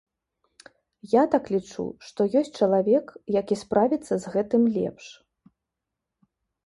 Я так лічу, што ёсць чалавек, які справіцца з гэтым лепш.